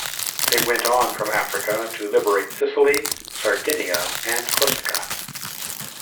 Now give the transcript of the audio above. They went on from Africa to liberate Sicily, Sardinia, and Corsica.